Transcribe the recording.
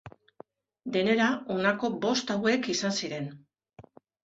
Denera honako bost hauek izan ziren.